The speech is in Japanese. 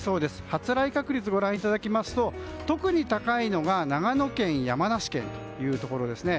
発雷確率をご覧いただきますと特に高いのが長野県、山梨県というところですね。